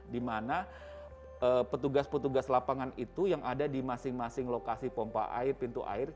di mana petugas petugas lapangan itu yang ada di masing masing lokasi pompa air pintu air